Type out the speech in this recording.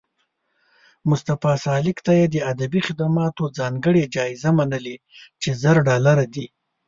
مصطفی سالک ته یې د ادبي خدماتو ځانګړې جایزه منلې چې زر ډالره دي